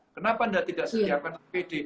kenapa anda tidak siapkan apd